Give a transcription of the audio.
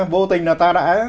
vô tình là ta đã